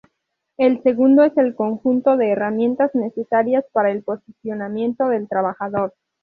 El segundo es el conjunto de herramientas necesarias para el posicionamiento del trabajador.